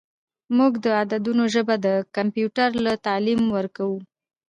موږ د عددونو ژبه د کمپیوټر لپاره تعلیم ورکوو.